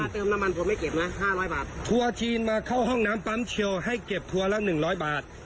เติมน้ำมันทัวไม่เก็บนะห้าร้อยบาททัวร์จีนมาเข้าห้องน้ำปั๊มเชียวให้เก็บทัวร์ละหนึ่งร้อยบาท